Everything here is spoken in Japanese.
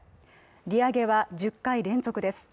利上げは１０回連続です。